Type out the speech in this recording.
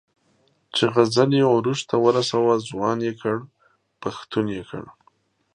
چې غزل یې عروج ته ورساوه، ځوان یې کړ، پښتون یې کړ.